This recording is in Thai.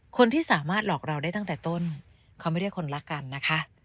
คนที่สามารถหลอกเราได้ตั้งแต่ต้นเขาไม่ได้คนรักกันนะคะ